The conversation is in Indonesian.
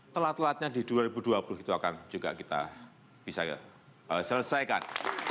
telat telatnya di dua ribu dua puluh itu akan juga kita bisa selesaikan